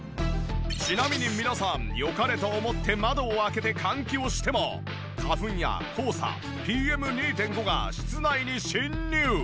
ちなみに皆さん良かれと思って窓を開けて換気をしても花粉や黄砂ＰＭ２．５が室内に侵入。